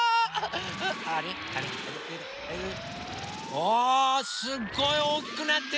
あすっごいおおきくなっていく。